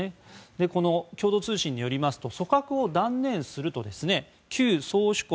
この共同通信によりますと組閣を断念すると旧宗主国